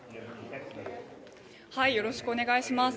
よろしくお願いします。